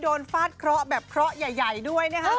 ฟาดเคราะห์แบบเคราะห์ใหญ่ด้วยนะครับ